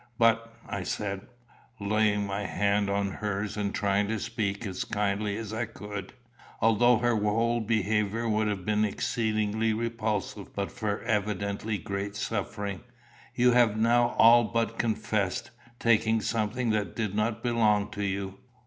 "But," I said, laying my hand on hers, and trying to speak as kindly as I could, although her whole behaviour would have been exceedingly repulsive but for her evidently great suffering, "you have now all but confessed taking something that did not belong to you.